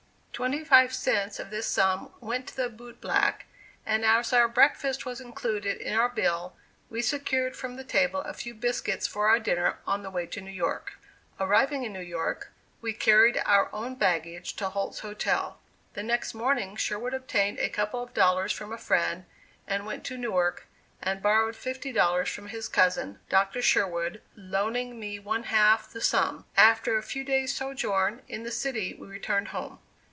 Twenty five cents of this sum went to the boot black, and as our breakfast was included in our bill we secured from the table a few biscuits for our dinner on the way to New York. Arriving in New York we carried our own baggage to Holt's Hotel. The next morning Sherwood obtained a couple of dollars from a friend, and went to Newark and borrowed fifty dollars from his cousin, Dr. Sherwood, loaning me one half the sum. After a few days' sojourn in the city we returned home.